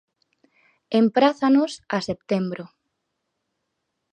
Emprázanos a setembro.